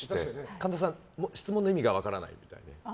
神田さん、質問の意味が分からないみたいに。